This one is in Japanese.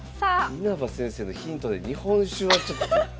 稲葉先生のヒントで日本酒はちょっと。